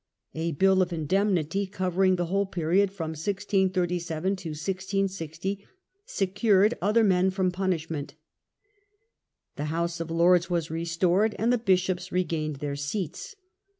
A bill of Indemnity, covering the whole period from 1637 to 1660, secured other men from punishment The House of Lords was restored, and the bishops re gained their seats.